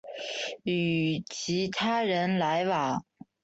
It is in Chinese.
与其他人来往